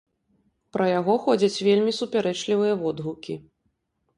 Пра яго ходзяць вельмі супярэчлівыя водгукі.